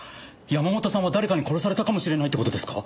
山本さんは誰かに殺されたかもしれないって事ですか？